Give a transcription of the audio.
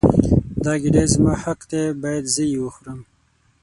دا ګیډۍ زما حق دی باید زه یې وخورم.